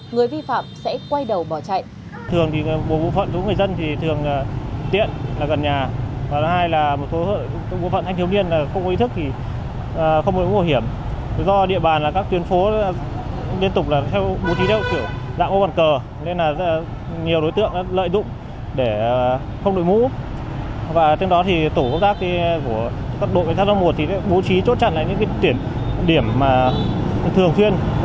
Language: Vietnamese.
người vi phạm sẽas điếc bảo hiểm dream became elf